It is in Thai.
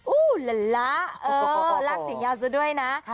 อู้ละละเออลักเสียงยาวซุด้วยนะ